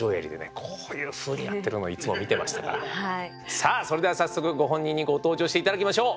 さあそれでは早速ご本人にご登場して頂きましょう。